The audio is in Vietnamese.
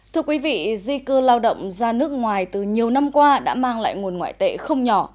thưa quý vị di cư lao động ra nước ngoài từ nhiều năm qua đã mang lại nguồn ngoại tệ không nhỏ